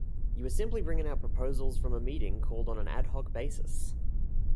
You are simply bringing out proposals from a meeting called on an adhoc basis.